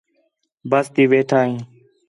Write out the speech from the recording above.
بس تی وِیٹھا ہیں